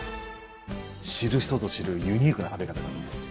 知る人ぞ知るユニークな食べ方があるんです。